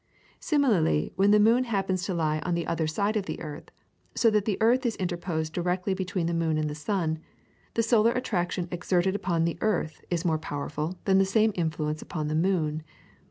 Similarly when the moon happens to lie on the other side of the earth, so that the earth is interposed directly between the moon and the sun, the solar attraction exerted upon the earth is more powerful than the same influence upon the moon.